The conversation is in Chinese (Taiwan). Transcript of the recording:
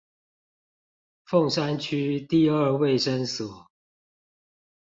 鳳山區第二衛生所